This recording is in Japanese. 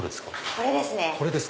これですね。